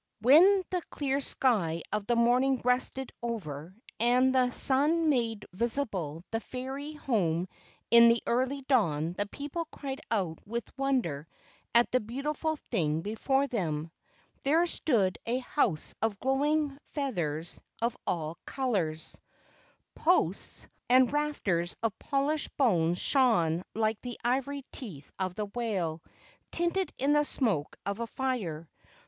When the clear sky of the morning rested over, and the sun made visible the fairy home in the early dawn, the people cried out with wonder at the beautiful thing before them. There stood a house of glowing feathers of all colors. Posts KE AU NINI 185 and rafters of polished bones shone like the ivory teeth of the whale, tinted in the smoke of a fire.